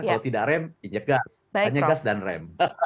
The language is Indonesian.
kalau tidak rem injek gas hanya gas dan rem